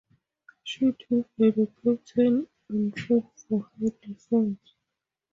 She too had a captain and troop for her defense.